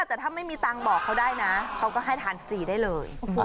แต่ถ้าไม่มีตังค์บอกเขาได้นะเขาก็ให้ทานฟรีได้เลย